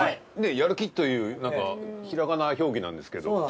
やるきというなんかひらがな表記なんですけど。